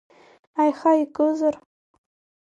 Аиха икызар?